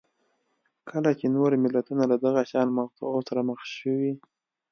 کله چې نور ملتونه له دغه شان مقطعو سره مخ شوي